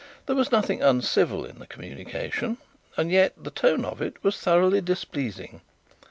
There was nothing uncivil in the communication, and yet the tone of it was thoroughly displeasing.